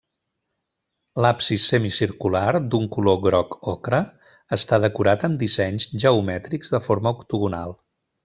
L'absis semicircular, d'un color groc ocre, està decorat amb dissenys geomètrics de forma octogonal.